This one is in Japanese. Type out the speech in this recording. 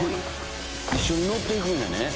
一緒に乗って行くんやね。